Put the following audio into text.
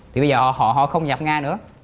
thì bây giờ họ không nhập nga nữa